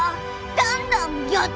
どんどんギョっ